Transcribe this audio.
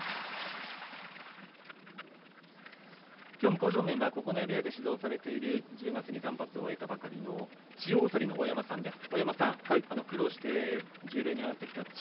向正面は九重部屋で指導している断髪を終えたばかりの千代鳳の大山さんです。